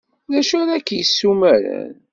D acu ara k-yessumaren?